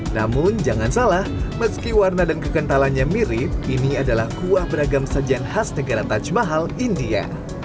namun jangan salah meski warna dan kekentalannya mirip ini adalah kuah beragam sajian khas negara taj mahal india